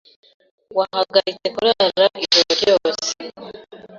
wahagaritse kurara ijoro ryose.